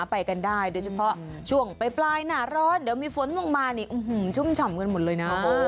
ไปกันได้โดยเฉพาะช่วงปลายหน้าร้อนเดี๋ยวมีฝนลงมานี่ชุ่มฉ่ำกันหมดเลยนะ